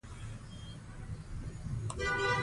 دوی د ملالۍ په باب معلومات غواړي.